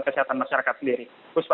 kesehatan masyarakat sendiri